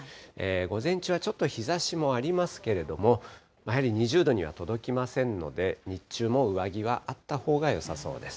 午前中はちょっと日ざしもありますけれども、やはり２０度には届きませんので、日中も上着はあったほうがよさそうです。